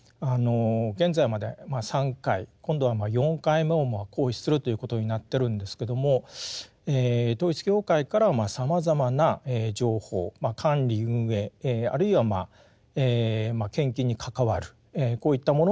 現在まで３回今度は４回目を行使するということになってるんですけども統一教会からはさまざまな情報管理運営あるいはまあ献金に関わるこういったものの情報を集め